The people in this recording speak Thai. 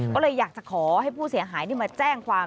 ก็เลยอยากจะขอให้ผู้เสียหายมาแจ้งความ